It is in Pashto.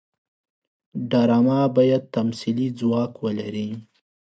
ډرامه باید تمثیلي ځواک ولري